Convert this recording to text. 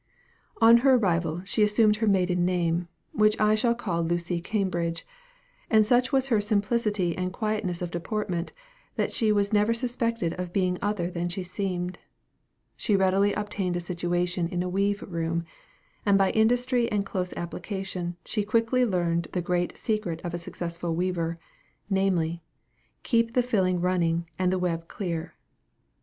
On her arrival, she assumed her maiden name, which I shall call Lucy Cambridge; and such was her simplicity and quietness of deportment, that she was never suspected of being other than she seemed. She readily obtained a situation in a weave room, and by industry and close application, she quickly learned the grand secret of a successful weaver namely, "Keep the filling running, and the web clear."